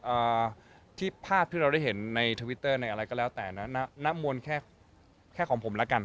อ่าที่ภาพที่เราได้เห็นในทวิตเตอร์ในอะไรก็แล้วแต่นะณมวลแค่แค่ของผมแล้วกัน